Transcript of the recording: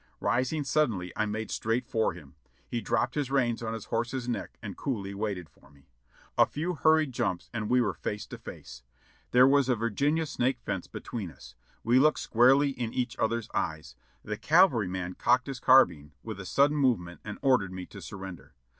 Rising suddenly I made straight for him. He dropped his reins on his horse's neck and coolly waited for me. A few hur ried jumps and we were face to face. There was a Virginia snake fence between us; we looked squarely in each other's eyes. The cavalryman cocked his car bine with a sudden movement and ordered me to surrender.